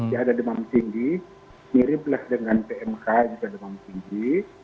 ya ada demam tinggi mirip lah dengan pmk juga demam tinggi